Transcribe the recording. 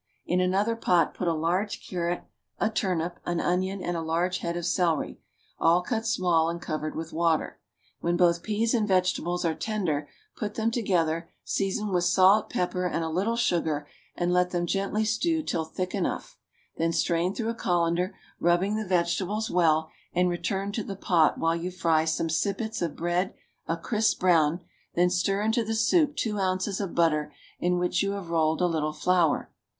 In another pot put a large carrot, a turnip, an onion, and a large head of celery, all cut small and covered with water. When both peas and vegetables are tender, put them together, season with salt, pepper, and a little sugar, and let them gently stew till thick enough; then strain through a colander, rubbing the vegetables well, and return to the pot while you fry some sippets of bread a crisp brown; then stir into the soup two ounces of butter in which you have rolled a little flour.